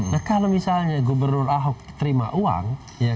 nah kalau misalnya gubernur ahok terima uang